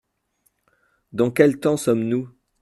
Dans quel temps sommes-nous ?